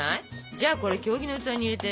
じゃあ経木の器に入れて。